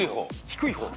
低い方。